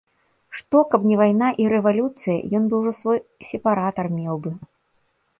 Што, каб не вайна і рэвалюцыя, ён бы ўжо свой сепаратар меў бы.